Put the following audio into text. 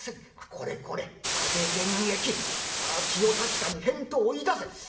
「これこれ阿部玄益気を確かに返答いたせ。